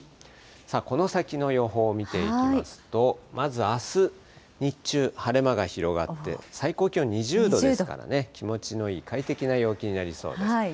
この先の予報を見ていきますと、まずあす日中、晴れ間が広がって、最高気温２０度ですからね、気持ちのいい快適な陽気になりそうです。